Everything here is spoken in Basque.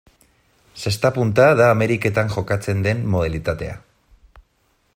Zesta-punta da Ameriketan jokatzen den modalitatea.